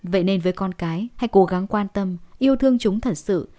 vậy nên với con cái hãy cố gắng quan tâm yêu thương chúng thật sự